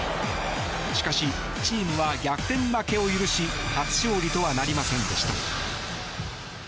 しかし、チームは逆転負けを許し初勝利とはなりませんでした。